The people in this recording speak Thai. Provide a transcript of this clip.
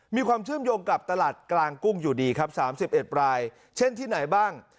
มีความเชื่อมโยงกับตลาดกลางกุ้งอยู่ดีครับ๓๑รายเช่นที่ไหนบ้าง